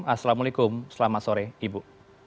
assalamualaikum selamat sore ibu